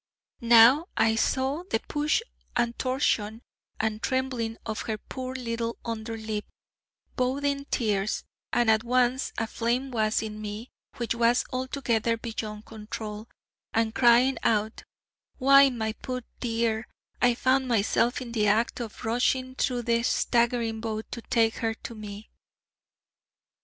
Now I saw the push and tortion and trembling of her poor little under lip, boding tears: and at once a flame was in me which was altogether beyond control; and crying out: 'why, my poor dear,' I found myself in the act of rushing through the staggering boat to take her to me.